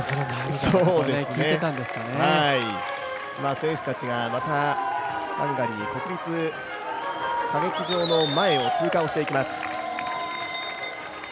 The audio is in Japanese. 選手たちがまた、ハンガリー国立歌劇場の前を通過していきます。